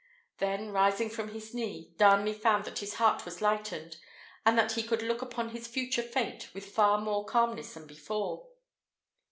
Then rising from his knee, Darnley found that his heart was lightened, and that he could look upon his future fate with far more calmness than before.